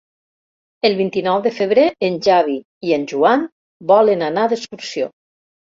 El vint-i-nou de febrer en Xavi i en Joan volen anar d'excursió.